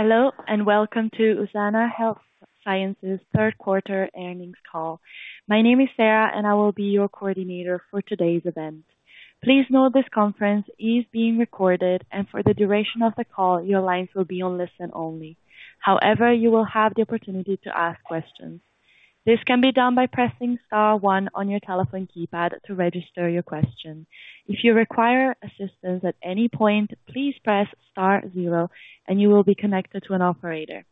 Hello, and welcome to USANA Health Sciences third quarter earnings call. My name is Sarah, and I will be your coordinator for today's event. Please note this conference is being recorded. For the duration of the call, your lines will be on listen only. However, you will have the opportunity to ask questions. This can be done by pressing star one on your telephone keypad to register your question. If you require assistance at any point, please press star zero and you will be connected to an operator.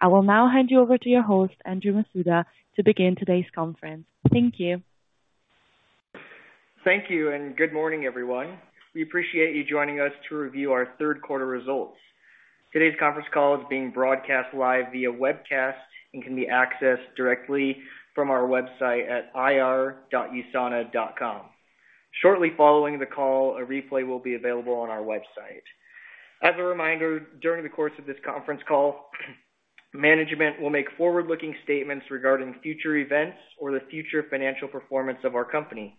I will now hand you over to your host, Andrew Masuda, to begin today's conference. Thank you. Thank you, and good morning, everyone. We appreciate you joining us to review our third quarter results. Today's conference call is being broadcast live via webcast and can be accessed directly from our website at ir.usana.com. Shortly following the call, a replay will be available on our website. As a reminder, during the course of this conference call, management will make forward-looking statements regarding future events or the future financial performance of our company.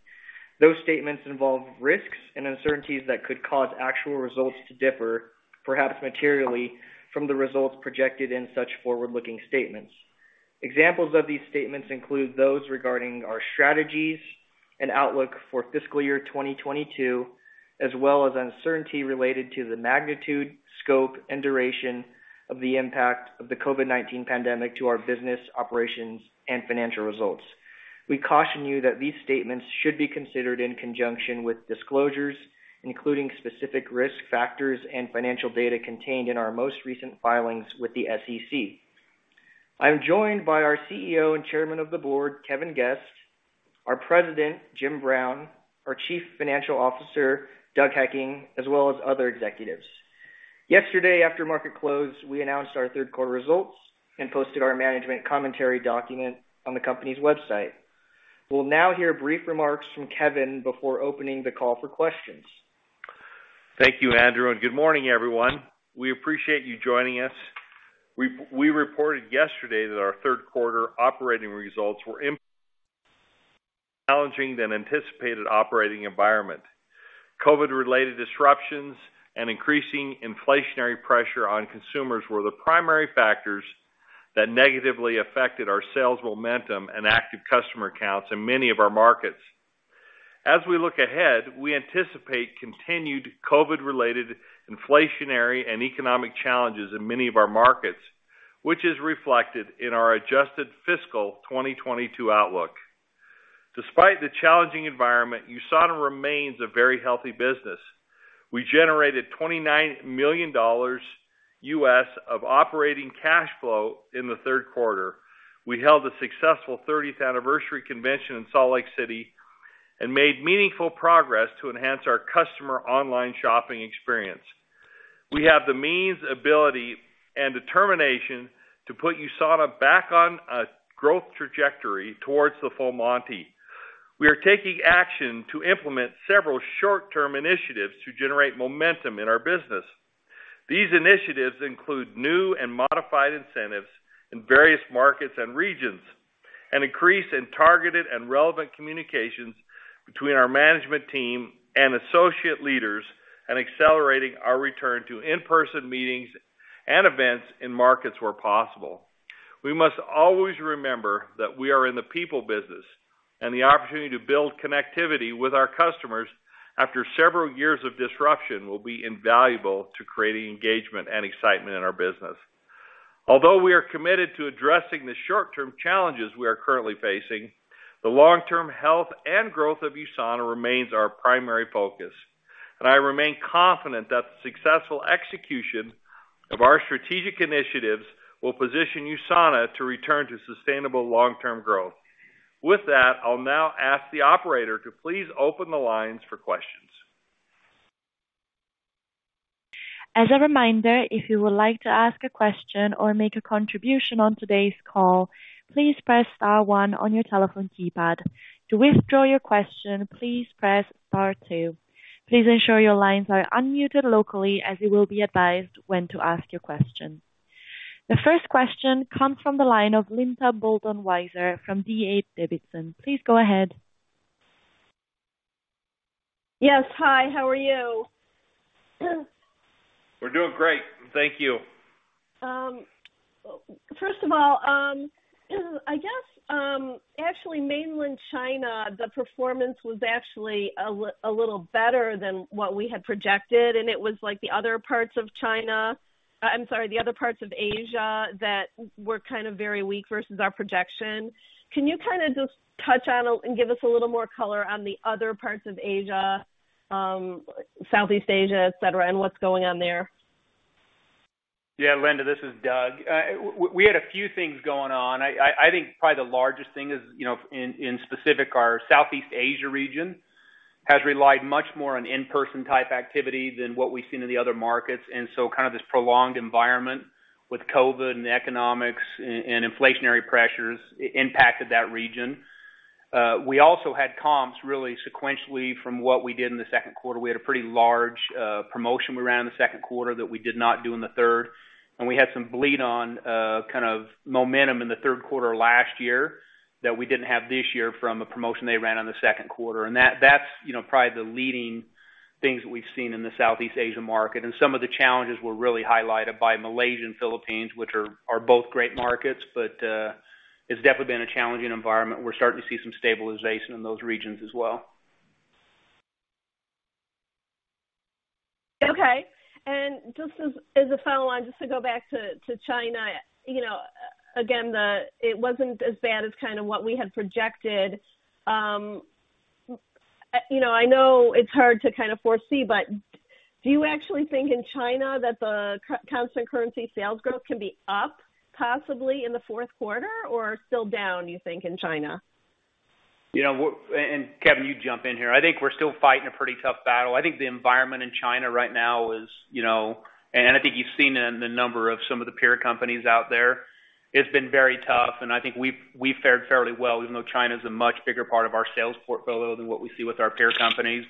Those statements involve risks and uncertainties that could cause actual results to differ, perhaps materially, from the results projected in such forward-looking statements. Examples of these statements include those regarding our strategies and outlook for fiscal year 2022, as well as uncertainty related to the magnitude, scope, and duration of the impact of the COVID-19 pandemic to our business operations and financial results. We caution you that these statements should be considered in conjunction with disclosures, including specific risk factors and financial data contained in our most recent filings with the SEC. I am joined by our CEO and Chairman of the Board, Kevin Guest, our President, Jim Brown, our Chief Financial Officer, Doug Hekking, as well as other executives. Yesterday, after market close, we announced our third quarter results and posted our management commentary document on the company's website. We'll now hear brief remarks from Kevin before opening the call for questions. Thank you, Andrew, and good morning, everyone. We appreciate you joining us. We reported yesterday that our third quarter operating results were more challenging than the anticipated operating environment. COVID-related disruptions and increasing inflationary pressure on consumers were the primary factors that negatively affected our sales momentum and active customer counts in many of our markets. As we look ahead, we anticipate continued COVID-related inflationary and economic challenges in many of our markets, which is reflected in our adjusted fiscal 2022 outlook. Despite the challenging environment, USANA remains a very healthy business. We generated $29 million of operating cash flow in the third quarter. We held a successful 30th anniversary convention in Salt Lake City and made meaningful progress to enhance our customer online shopping experience. We have the means, ability, and determination to put USANA back on a growth trajectory towards the full monty. We are taking action to implement several short-term initiatives to generate momentum in our business. These initiatives include new and modified incentives in various markets and regions, an increase in targeted and relevant communications between our management team and associate leaders, and accelerating our return to in-person meetings and events in markets where possible. We must always remember that we are in the people business and the opportunity to build connectivity with our customers after several years of disruption will be invaluable to creating engagement and excitement in our business. Although we are committed to addressing the short-term challenges we are currently facing, the long-term health and growth of USANA remains our primary focus. I remain confident that the successful execution of our strategic initiatives will position USANA to return to sustainable long-term growth. With that, I'll now ask the operator to please open the lines for questions. As a reminder, if you would like to ask a question or make a contribution on today's call, please press star one on your telephone keypad. To withdraw your question, please press star two. Please ensure your lines are unmuted locally as you will be advised when to ask your question. The first question comes from the line of Linda Bolton Weiser from D.A. Davidson. Please go ahead. Yes. Hi. How are you? We're doing great. Thank you. First of all, I guess, actually, Mainland China, the performance was actually a little better than what we had projected, and it was like the other parts of China. I'm sorry, the other parts of Asia that were kind of very weak versus our projection. Can you kinda just touch on and give us a little more color on the other parts of Asia, Southeast Asia, etc, and what's going on there? Yeah, Linda, this is Doug. We had a few things going on. I think probably the largest thing is, you know, specifically, our Southeast Asia region has relied much more on in-person type activity than what we've seen in the other markets. Kind of this prolonged environment with COVID and economics and inflationary pressures impacted that region. We also had comps really sequentially from what we did in the second quarter. We had a pretty large promotion we ran in the second quarter that we did not do in the third, and we had some bleed on kind of momentum in the third quarter last year that we didn't have this year from a promotion they ran on the second quarter. That's, you know, probably the leading things that we've seen in the Southeast Asia market. Some of the challenges were really highlighted by Malaysia and Philippines, which are both great markets, but it's definitely been a challenging environment. We're starting to see some stabilization in those regions as well. Okay. Just as a follow on, just to go back to China. You know, again, it wasn't as bad as kind of what we had projected. You know, I know it's hard to kind of foresee, but do you actually think in China that the constant currency sales growth can be up possibly in the fourth quarter, or still down, you think, in China? You know, Kevin, you jump in here. I think we're still fighting a pretty tough battle. I think the environment in China right now is, you know, and I think you've seen it in the numbers of some of the peer companies out there. It's been very tough, and I think we've fared fairly well, even though China is a much bigger part of our sales portfolio than what we see with our peer companies.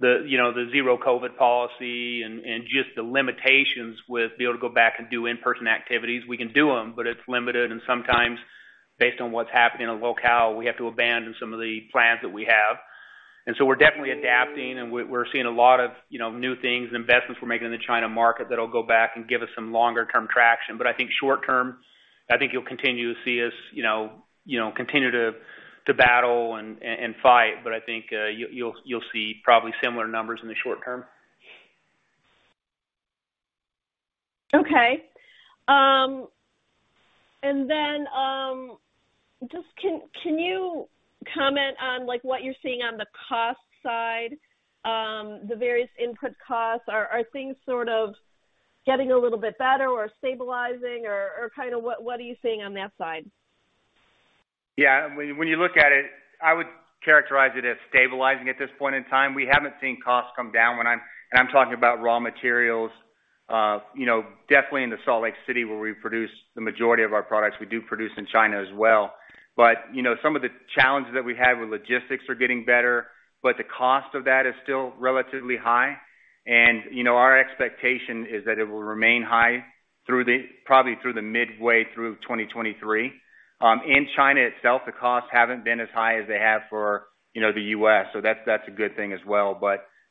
The, you know, the zero-COVID policy and just the limitations with being able to go back and do in-person activities. We can do them, but it's limited and sometimes based on what's happening locally, we have to abandon some of the plans that we have. We're definitely adapting and we're seeing a lot of, you know, new things and investments we're making in the China market that'll go back and give us some longer term traction. I think short term, I think you'll continue to see us, you know, continue to battle and fight. I think you'll see probably similar numbers in the short term. Just can you comment on, like, what you're seeing on the cost side, the various input costs? Are things sort of getting a little bit better or stabilizing or kind of what are you seeing on that side? Yeah, when you look at it, I would characterize it as stabilizing at this point in time. We haven't seen costs come down and I'm talking about raw materials, you know, definitely in Salt Lake City where we produce the majority of our products. We do produce in China as well. You know, some of the challenges that we had with logistics are getting better, but the cost of that is still relatively high. Our expectation is that it will remain high, probably through midway through 2023. In China itself, the costs haven't been as high as they have for, you know, the U.S., so that's a good thing as well.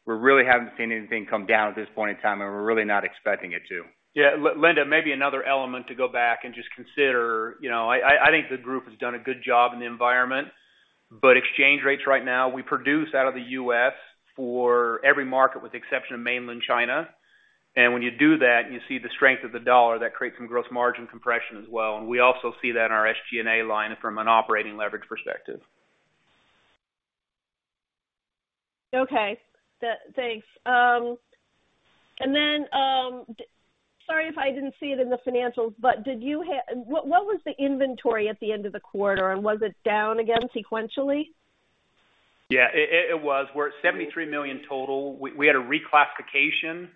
We really haven't seen anything come down at this point in time, and we're really not expecting it to. Yeah, Linda, maybe another element to go back and just consider. You know, I think the group has done a good job in the environment, but exchange rates right now, we produce out of the U.S. for every market with the exception of mainland China. When you do that and you see the strength of the dollar, that creates some gross margin compression as well. We also see that in our SG&A line from an operating leverage perspective. Okay. Thanks. Sorry if I didn't see it in the financials, but what was the inventory at the end of the quarter, and was it down again sequentially? Yeah, it was. We're at $73 million total. We had a reclassification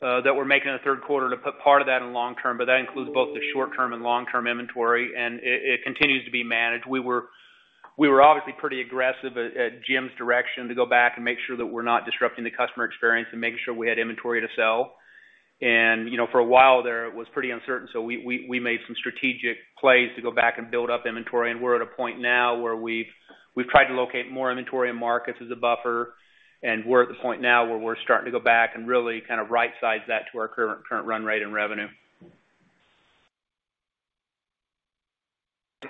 that we're making in the third quarter to put part of that in long-term, but that includes both the short-term and long-term inventory, and it continues to be managed. We were obviously pretty aggressive at Jim's direction to go back and make sure that we're not disrupting the customer experience and making sure we had inventory to sell. You know, for a while there, it was pretty uncertain, so we made some strategic plays to go back and build up inventory. We're at a point now where we've tried to locate more inventory in markets as a buffer. We're at the point now where we're starting to go back and really kind of right-size that to our current run rate and revenue.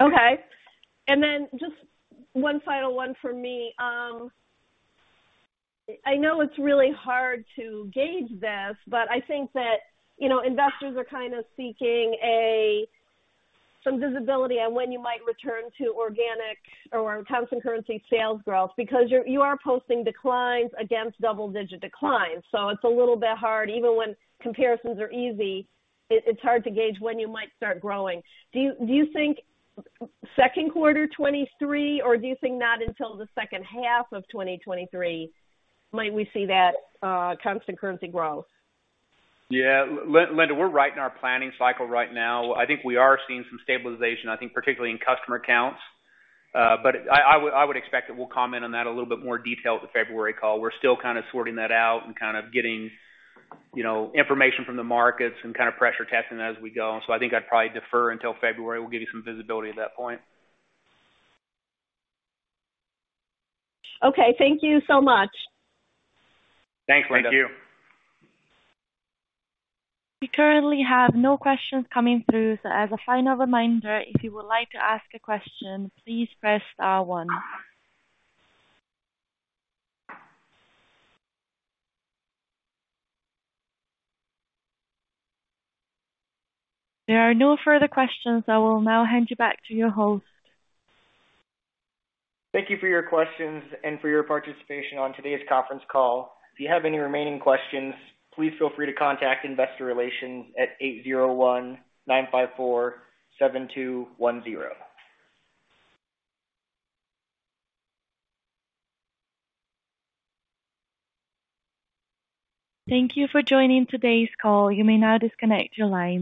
Okay. Just one final one for me. I know it's really hard to gauge this, but I think that, you know, investors are kind of seeking a some visibility on when you might return to organic or constant currency sales growth because you are posting declines against double-digit declines. It's a little bit hard. Even when comparisons are easy, it's hard to gauge when you might start growing. Do you think second quarter 2023, or do you think not until the second half of 2023 might we see that constant currency growth? Yeah. Linda, we're right in our planning cycle right now. I think we are seeing some stabilization, I think particularly in customer counts. But I would expect that we'll comment on that a little bit more detail at the February call. We're still kind of sorting that out and kind of getting, you know, information from the markets and kind of pressure testing that as we go. I think I'd probably defer until February. We'll give you some visibility at that point. Okay, thank you so much. Thanks, Linda. Thank you. We currently have no questions coming through, so as a final reminder, if you would like to ask a question, please press star one. There are no further questions. I will now hand you back to your host. Thank you for your questions and for your participation on today's conference call. If you have any remaining questions, please feel free to contact investor relations at 801-954-7210. Thank you for joining today's call. You may now disconnect your lines.